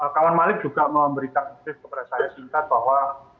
kawan malik juga memberikan kepada saya singkat bahwa